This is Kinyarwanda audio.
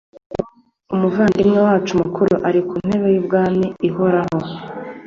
umuvandimwe wacu mukuru ari ku ntebe y’ubwami ihoraho